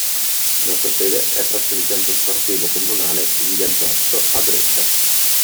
La sua sede è presso l'impianto sportivo comunale in Via Giotto a Brescia.